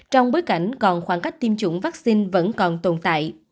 trong bối cảnh còn khoảng cách tiêm chủng vắc xin vẫn còn tồn tại